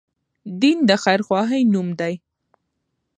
دين د خير خواهي نوم دی